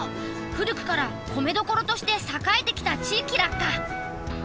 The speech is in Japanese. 古くから米どころとして栄えてきた地域ラッカ。